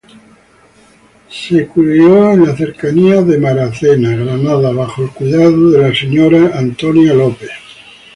Se crio en la cercana Derby, Connecticut, bajo el cuidado de Nathan Wheeler.